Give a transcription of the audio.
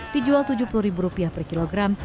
dijual rp tujuh puluh per kilogram